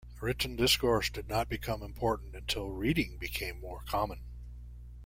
Written discourse did not become important until reading became more common.